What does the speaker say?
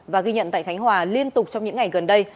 và ghi nhận tại khánh hòa liên tục trong những ngày gần đây